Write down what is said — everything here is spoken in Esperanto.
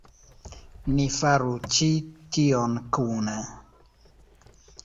Ni faru ĉi tion kune!